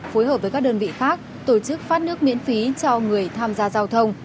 phối hợp với các đơn vị khác tổ chức phát nước miễn phí cho người tham gia giao thông